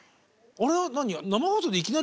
あれ。